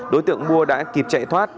đối tượng mua đã kịp chạy thoát